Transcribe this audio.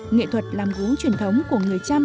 nghệ thuật làm gốm truyền thống của người trăm